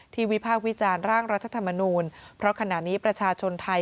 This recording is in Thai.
วิพากษ์วิจารณ์ร่างรัฐธรรมนูลเพราะขณะนี้ประชาชนไทย